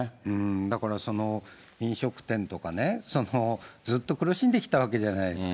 だからその、飲食店とかね、ずっと苦しんできたわけじゃないですか。